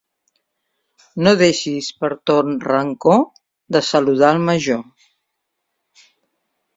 No deixis, per ton rancor, de saludar al major.